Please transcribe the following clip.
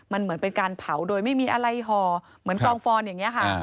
มันเหมือนเป็นการเผาโดยไม่มีอะไรห่อเหมือนกองฟอนอย่างนี้ค่ะ